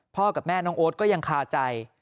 กับแม่น้องโอ๊ตก็ยังคาใจ